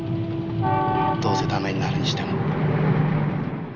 どうせダメになるにしても。